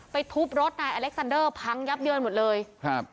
ทุบรถนายอเล็กซันเดอร์พังยับเยินหมดเลยครับ